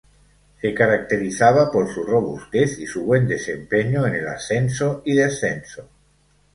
Se caracterizaba por su robustez y su buen desempeño en el ascenso y descenso.